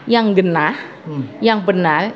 yang genah yang benar